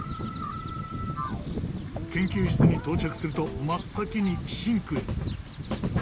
研究室に到着すると真っ先にシンクへ。